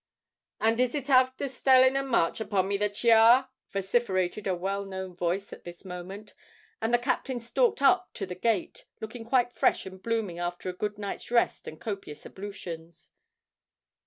and is it afther staling a march upon me that ye are?" vociferated a well known voice at this moment; and the captain stalked up to the gate, looking quite fresh and blooming after a good night's rest and copious ablutions.